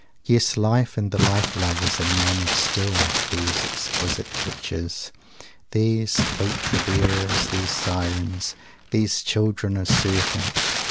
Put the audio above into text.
Yes, Life and the Life Lovers are enamoured still of these exquisite witches, these philtre bearers, these Sirens, these children of Circe.